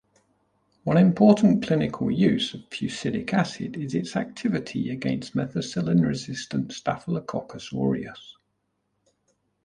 One important clinical use of fusidic acid is its activity against methicillin-resistant "Staphylococcus aureus".